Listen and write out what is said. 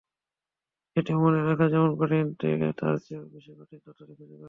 এটি মনে রাখা যেমন কঠিন, তার চেয়েও বেশি কঠিন তথ্যটি খুঁজে বের করা।